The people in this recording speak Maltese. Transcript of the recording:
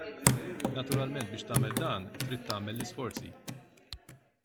Naturalment biex tagħmel dan trid tagħmel l-isforzi.